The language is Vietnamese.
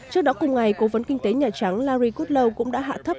trước đó cùng ngày cố vấn kinh tế nhà trắng larry kudlow cũng đã hạ thấp